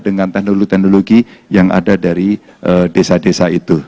dengan teknologi teknologi yang ada dari desa desa itu